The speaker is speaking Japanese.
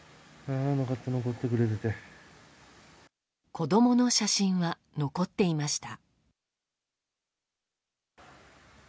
子供の写真は残っていました。